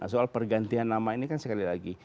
soal pergantian nama ini kan sekali lagi